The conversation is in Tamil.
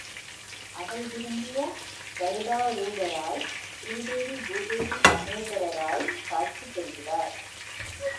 அவள் விரும்பிய கருடாரூடராய் ஸ்ரீதேவி பூதேவி சமேதராய்க் காட்சி தருகிறார்.